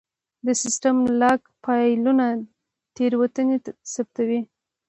د سیسټم لاګ فایلونه تېروتنې ثبتوي.